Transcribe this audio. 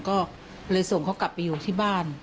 ก็เลยส่งเขากลับไปอยู่ที่บ้าน